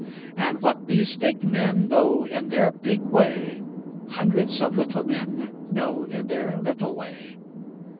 And what these big men know in their big way, hundreds of little men know in their little way.